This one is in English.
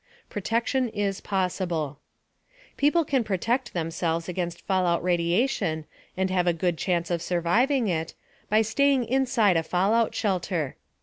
PROTECTION IS POSSIBLE People can protect themselves against fallout radiation, and have a good chance of surviving it, by staying inside a fallout shelter.